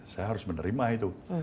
saya harus menerima itu